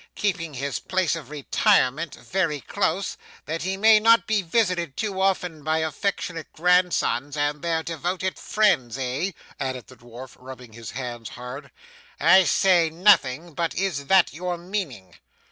'Keeping his place of retirement very close, that he may not be visited too often by affectionate grandsons and their devoted friends, eh?' added the dwarf, rubbing his hands hard; 'I say nothing, but is that your meaning?